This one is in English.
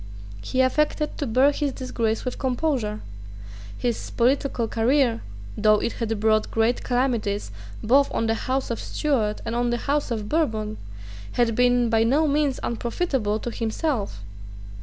He affected to bear his disgrace with composure. His political career, though it had brought great calamities both on the House of Stuart and on the House of Bourbon, had been by no means unprofitable to himself.